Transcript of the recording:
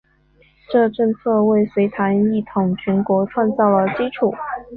这政策为隋唐一统全国创造了基础。